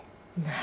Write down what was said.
何？